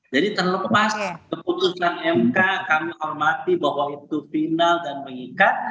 jadi terlepas keputusan mk kami hormati bahwa itu final dan mengikat